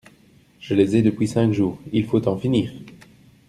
Je les ai depuis cinq jours… il faut en finir !